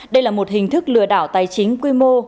đây là một hình thức lừa đảo tài chính quy mô